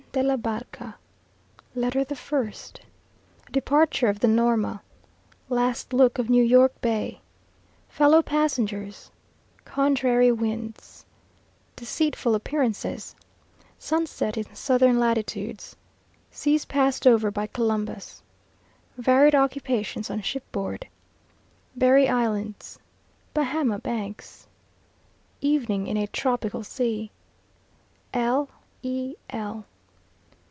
LIFE IN MEXICO LETTER THE FIRST Departure of the Norma Last look of New York Bay Fellow passengers Contrary Winds Deceitful Appearances Sunset in Southern Latitudes Seas passed over by Columbus Varied Occupations on Shipboard Berry Islands Bahama Banks Evening in a Tropical Sea L. E. L.